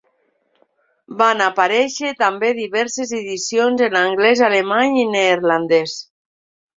Van aparèixer també diverses edicions en anglès, alemany i neerlandès.